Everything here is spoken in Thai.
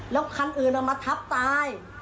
แล้วคันอื่นเอามาทับตาย